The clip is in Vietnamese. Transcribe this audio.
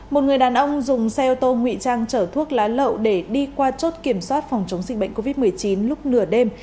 một người đàn ông dùng xe ô tô nguy trang chở thuốc lá lậu để đi qua chốt kiểm soát phòng chống dịch bệnh covid một mươi chín lúc nửa đêm